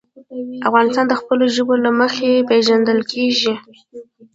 افغانستان د خپلو ژبو له مخې پېژندل کېږي.